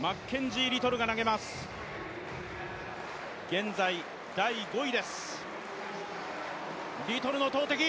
現在、第５位です、リットルの投てき